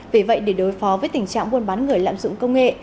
vì vậy để đối phó với tình trạng buôn bán người lạm dụng công nghệ